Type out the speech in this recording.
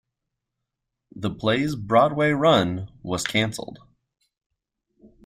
The play's Broadway run was canceled.